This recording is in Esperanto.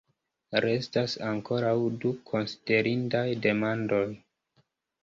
Restas ankoraŭ du konsiderindaj demandoj.